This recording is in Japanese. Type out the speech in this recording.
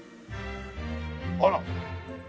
あら。